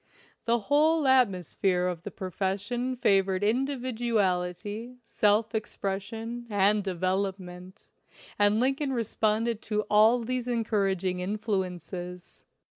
The whole atmosphere of the profession favored individuality, self ex pression, and development, and Lincoln re sponded to all these encouraging influences.